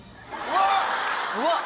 うわっ！